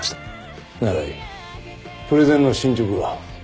プレゼンの進捗は？